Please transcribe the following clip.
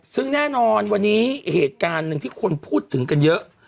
ซึ่งแน่นอนวันนี้เหตุการณ์หนึ่งที่คนพูดถึงกันเยอะ